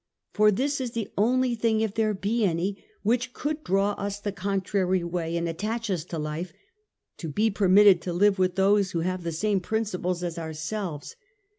^For this is the only thing, if there be any, which could draw us the contrary way, and attach us to life, to be permitted to live with those who have the same principles as ourselves.